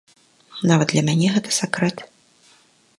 Нават для мяне гэта сакрэт.